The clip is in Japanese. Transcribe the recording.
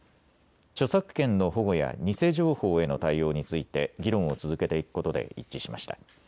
著作権の保護や偽情報への対応について議論を続けていくことで一致しました。